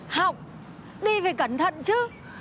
học đi phải cẩn thận chứ